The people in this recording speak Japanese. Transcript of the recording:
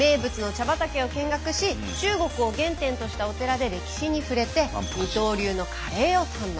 畑を見学し中国を原点としたお寺で歴史に触れて二刀流のカレーを堪能。